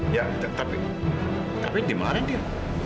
iya tapi tapi dimarin dia